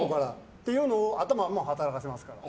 っていうのを頭を働かせますから。